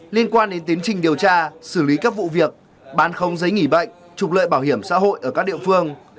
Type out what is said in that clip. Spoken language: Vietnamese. liên quan đến tiến trình điều tra xử lý các vụ việc bán không giấy nghỉ bệnh trục lợi bảo hiểm xã hội ở các địa phương